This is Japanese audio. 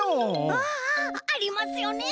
ああああありますよね